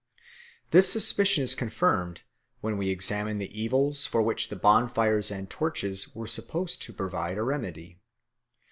This suspicion is confirmed when we examine the evils for which the bonfires and torches were supposed to provide a remedy.